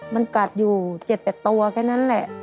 มันกัดอยู่๗๘ตัวแค่นั้นแหละ